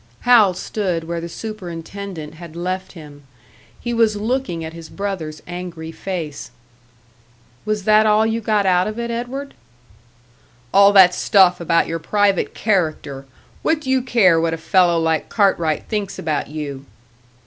Hal stood where the superintendent had left him. He was looking at his brother's angry face. "Was that all you got out of it, Edward?" "All that stuff about your private character! What do you care what a fellow like Cartwright thinks about you?"